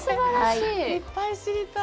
いっぱい知りたい。